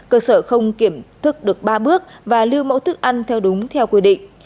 cơ sở không kiểm thức được ba bước và lưu mẫu thức ăn theo đúng theo quy định